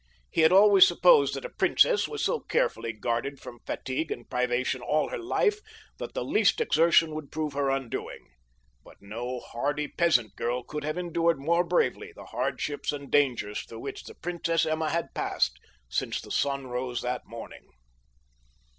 He had always supposed that a princess was so carefully guarded from fatigue and privation all her life that the least exertion would prove her undoing; but no hardy peasant girl could have endured more bravely the hardships and dangers through which the Princess Emma had passed since the sun rose that morning.